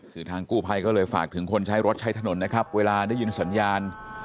คือทางกู้ภัยก็เลยฝากถึงคนใช้รถใช้ถนนนะครับเวลาได้ยินสัญญาณ